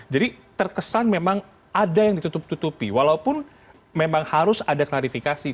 jadi terkesan memang ada yang ditutup tutupi walaupun memang harus ada klarifikasi